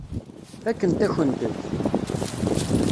Fakken-akent-t.